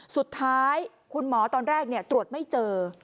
สุดท้ายคุณหมอตอนแรกตรวจไม่เจอ